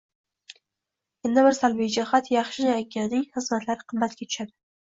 Yana bir salbiy jihat – yaxshi yanaganing xizmatlari qimmatga tushadi.